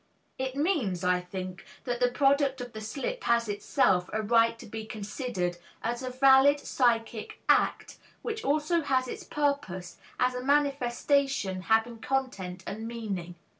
It means, I think, that the product of the slip has itself a right to be considered as a valid psychic act which also has its purpose, as a manifestation having content and meaning.